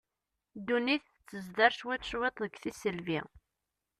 Ddunit tettezder cwiṭ cwiṭ deg tiselbi.